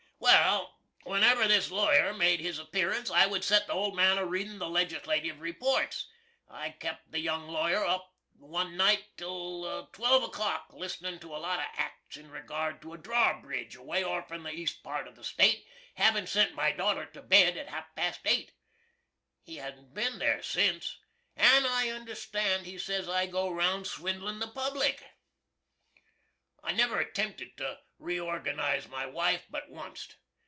Wall, whenever this lawyer made his appearance I would set the old man a reading the Legislativ' reports. I kept the young lawyer up one night till 12 o'clock listenin to a lot of acts in regard to a drawbridge away orf in the east part of the State, havin' sent my daughter to bed at half past 8. He hasn't bin there since, and I understan' he says I go round swindlin' the Public. I never attempted to reorganize my wife but onct.